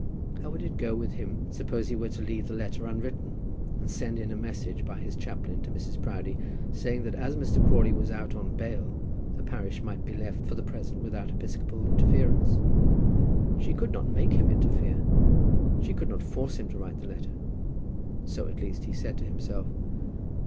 How would it go with him suppose he were to leave the letter unwritten, and send in a message by his chaplain to Mrs. Proudie, saying that as Mr. Crawley was out on bail, the parish might be left for the present without episcopal interference? She could not make him interfere. She could not force him to write the letter. So, at least, he said to himself.